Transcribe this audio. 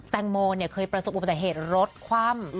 แต่งโมเนี่ยเคยประสบประถวัติเหตุรถความ